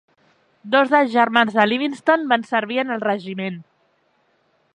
Dos dels germans de Livingston van servir en el regiment.